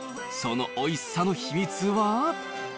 そのおいしさの秘密は？